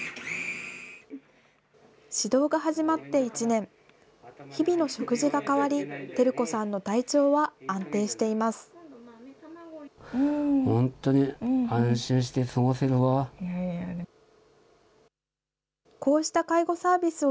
指導が始まって１年、日々の食事が変わり、輝子さんの体調は安定しています。